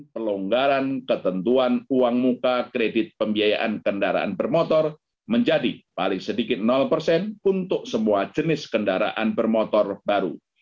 pelonggaran ketentuan uang muka kredit pembiayaan kendaraan bermotor menjadi paling sedikit persen untuk semua jenis kendaraan bermotor baru